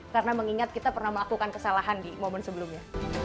karena mengingat kita pernah melakukan kesalahan di momen sebelumnya